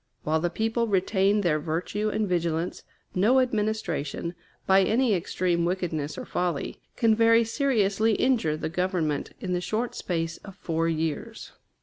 While the people retain their virtue and vigilance, no administration, by any extreme wickedness or folly, can very seriously injure the Government in the short space of four years.